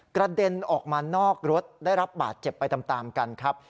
กระเด็นออกมานอกรถได้รับบาดเจ็บไปตามกันครับ